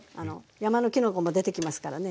山のきのこも出てきますからね。